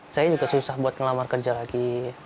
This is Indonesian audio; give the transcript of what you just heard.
saya juga susah buat ngelamar kerja lagi